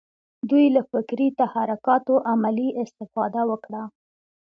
دوی له فکري تحرکاتو عملي استفاده وکړه.